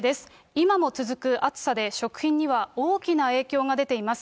今も続く暑さで、食品には大きな影響が出ています。